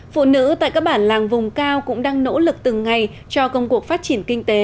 phụ nữ tại các bản làng vùng cao cũng đang nỗ lực từng ngày cho công cuộc phát triển kinh tế